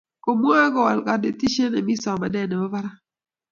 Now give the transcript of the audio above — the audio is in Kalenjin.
komwoi kowal kanetishe ne mii somenet ne bo barak